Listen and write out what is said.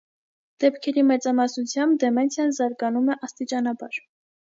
Դեպքերի մեծամասնությամբ դեմենցիան զարգանում է աստիճանաբար։